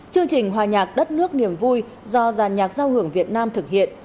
chương trình hòa nhạc đất nước niềm vui do giàn nhạc giao hưởng việt nam thực hiện